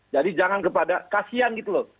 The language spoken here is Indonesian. jadi jangan kepada kasian gitu loh